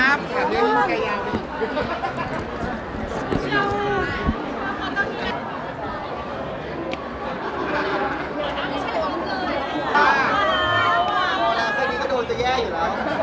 อันนี้ก็โดนจะแย่อยู่แล้ว